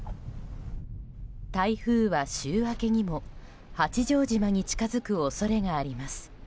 台風は週明けにも八丈島に近づく恐れがあります。